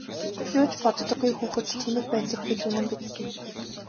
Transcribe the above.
Юу ч боддоггүй хүүхэд тэнэг байдаг гэж үнэн биз!